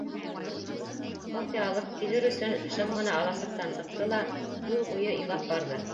Кофе алып килер өсөн шым ғына аласыҡтан сыҡты ла юл буйы илап барҙы.